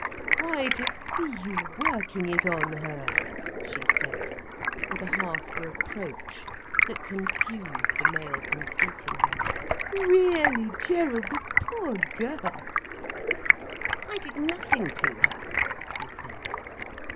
"Why to see you working it on her," she said, with a half reproach that confused the male conceit in him. "Really Gerald, the poor girl—!" "I did nothing to her," he said.